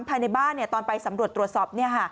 ภายในบ้านตอนไปสำรวจตรวจสอบ